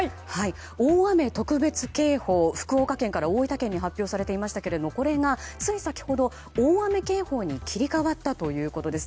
大雨特別警報が福岡県から大分県に発表されていましたがこれがつい先ほど大雨警報に切り替わったということです。